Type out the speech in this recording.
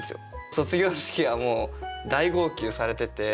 卒業式はもう大号泣されてて。